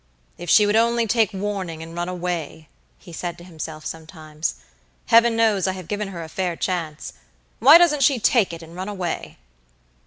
"If she would only take warning and run away," he said to himself sometimes. "Heaven knows, I have given her a fair chance. Why doesn't she take it and run away?"